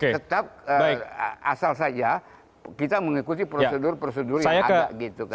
tetap asal saja kita mengikuti prosedur prosedur yang ada gitu